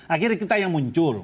akhirnya kita yang muncul